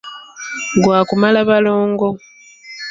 Gwa kumala balongo.